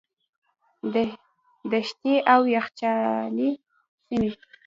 دښتې او یخچالي سیمې.